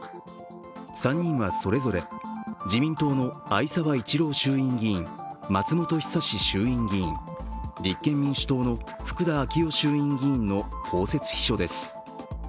３人はそれぞれ自民党の逢沢一郎衆院議員、松本尚衆院議員、立憲民主党の福田昭夫衆院議員の公設秘書です。